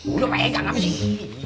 belum pegang abis ini